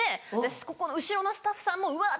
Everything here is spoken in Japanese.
ここの後ろのスタッフさんもワッ！